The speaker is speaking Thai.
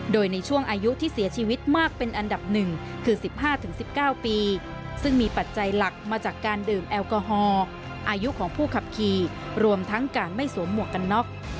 โดยในช่วงอายุที่เสียชีวิตมากเป็นอันดับหนึ่งคือ๑๕๑๙ปีซึ่งมีปัจจัยหลักมาจากการดื่มแอลกอฮอลอายุของผู้ขับขี่รวมทั้งการไม่สวมหมวกกันน็อก